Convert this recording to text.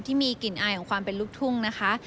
ที่มีกลิ่นอายของความเป็นลูกทุ่งนะคะ